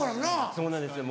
そうなんですよ